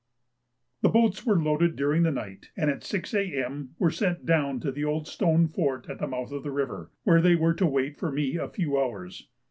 The boats were loaded during the night, and at 6 A.M. were sent down to the old stone fort at the mouth of the river, where they were to wait for me a few hours.